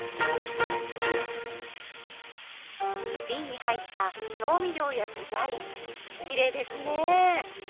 びんに入った調味料や具材きれいですね。